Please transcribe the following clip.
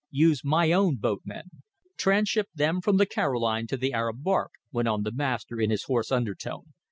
Use my own boatmen. Transship them from the Caroline to the Arab barque," went on the master in his hoarse undertone.